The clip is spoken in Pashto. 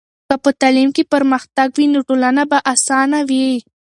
که په تعلیم کې پرمختګ وي، نو ټولنه به اسانه وي.